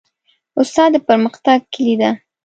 استاد د پرمختګ کلۍ ده.